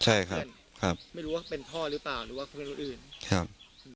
ใช่ครับไม่รู้ว่าเป็นพ่อหรือเปล่าหรือว่าเพื่อนคนอื่นครับ